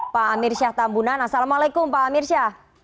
pak amir syah tambunan assalamualaikum pak amir syah